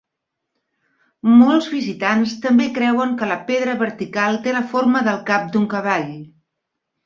Molts visitants també creuen que la pedra vertical té la forma del cap d"un cavall.